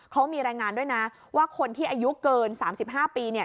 เขามีรายงานด้วยนะว่าคนที่อายุเกิน๓๕ปีเนี่ย